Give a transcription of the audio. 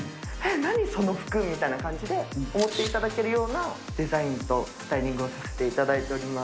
何その服？みたいな感じで思っていただけるようなデザインとスタイリングをさせていただいております。